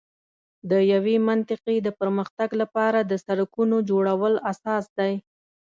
د یوې منطقې د پر مختګ لپاره د سړکونو جوړول اساس دی.